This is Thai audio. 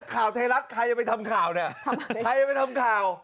ข่าวไทยรัฐใครจะไปทำข่าวเนี่ยใครจะไปทำข่าว